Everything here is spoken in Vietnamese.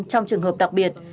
trong trường hợp đặc biệt